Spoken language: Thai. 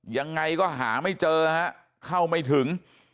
ยังไงก็หาไม่เจอฮะเข้าไม่ถึง